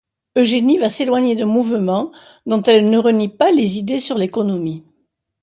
Eugénie va s'éloigner d'un mouvement dont elle ne renie pas les idées sur l'économie.